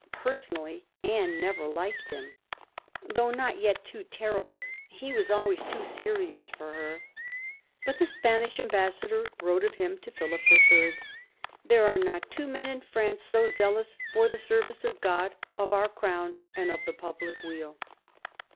Personally, Anne never liked him. Though not yet too terrible, he was always too serious for her. But the Spanish ambassador wrote of him to Philip IIL : "There are not two men in France so zealous for the service of God, of our Crown, and of the public weal."